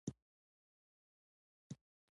د خځې لوري ليکل شوي څېړنې لټوم